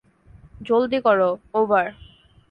জলদি করো, ওভার।